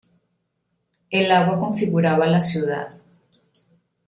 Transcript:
El agua configuraba la ciudad.